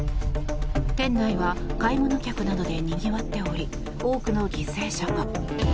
店内は買い物客などでにぎわっており多くの犠牲者が。